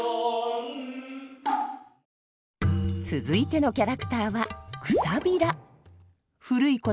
続いてのキャラクターは茸。